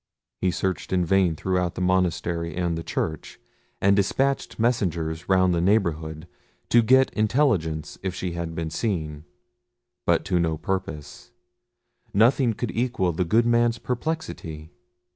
He searched in vain throughout the monastery and the church, and despatched messengers round the neighbourhood, to get intelligence if she had been seen; but to no purpose. Nothing could equal the good man's perplexity.